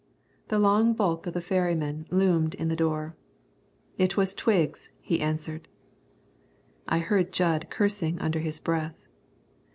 The long bulk of the ferryman loomed in the door. "It was Twiggs," he answered. I heard Jud cursing under his breath.